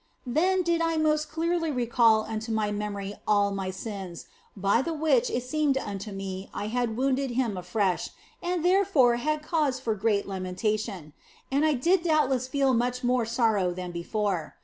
Then did I most clearly recall unto my memory all my sins, by the which it seemed unto me I had wounded Him afresh and therefore had cause for great lamentation, and I did doubtless feel much more sorrow than before.